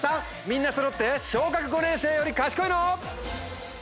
みんなそろって小学５年生より賢いの？